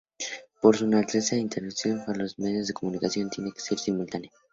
Por su naturaleza, la interpretación en los medios de comunicación tiene que ser simultánea.